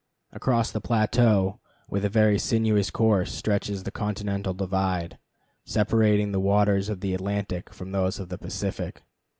Across the plateau, with a very sinuous course, stretches the Continental Divide, separating the waters of the Atlantic from those of the Pacific.